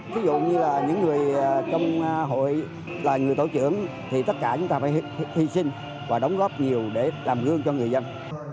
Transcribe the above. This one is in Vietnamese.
ví dụ như là những người trong hội là người tổ trưởng thì tất cả chúng ta phải hy sinh và đóng góp nhiều để làm gương cho người dân